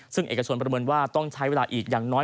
ซึ่งเอกชนประเมินว่าต้องใช้เวลาอีกอย่างน้อย